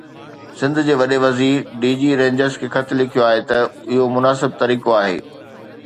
سنڌ جي وڏي وزير ڊي جي رينجرز کي خط لکيو آهي ته اهو مناسب طريقو آهي.